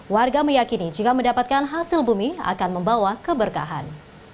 warga meyakini jika mendapatkan hasil bumi akan membawa keberkahan